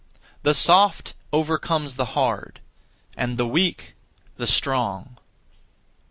The soft overcomes the hard; and the weak the strong.